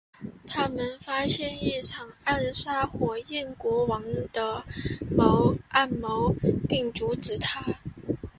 他们发现一场要暗杀火焰国王的阴谋并阻止它。